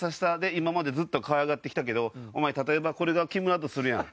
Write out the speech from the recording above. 今までずっと可愛がってきたけど例えばこれが木村だとするやん。